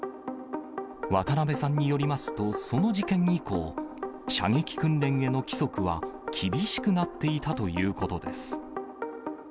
渡部さんによりますと、その事件以降、射撃訓練への規則は厳しくなっていたということです。